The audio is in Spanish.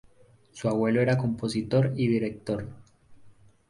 Su abuelo era compositor y director.